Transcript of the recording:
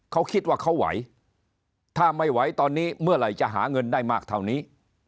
เขาคิดว่าเขาไหวถ้าไม่ไหวตอนนี้เมื่อไหร่จะหาเงินได้มากเท่านี้